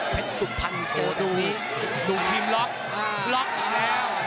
แพ็คสุภัณฑ์โดดูดูทีมล็อคล็อคอีกแล้ว